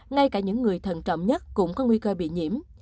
ngay cả những người thân trọng nhất cũng có nguy cơ bị nhiễm